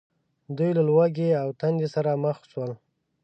دوی له ولږې او تندې سره مخ شول.